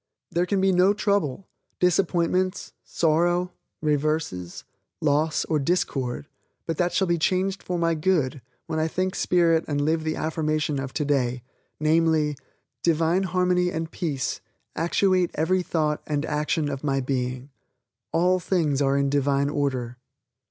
There can be no trouble, disappointments, sorrow, reverses, loss or discord but that shall be changed for my good when I think Spirit and live the affirmation of today, namely, "Divine Harmony and Peace actuate every thought and action of my being." All things are in Divine order.